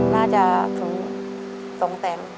น่าจะสองแสน